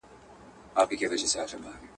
هغه ويل د هغه غره لمن کي.